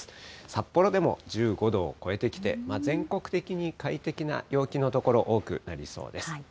札幌でも１５度を超えてきて、全国的に快適な陽気の所、多くなりそうです。